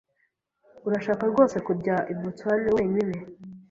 Urashaka rwose kujya i Boston wenyine?